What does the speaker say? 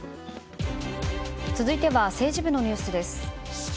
続いては政治部のニュースです。